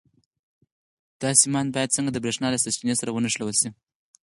دا سیمان باید څنګه د برېښنا له سرچینې سره ونښلول شي؟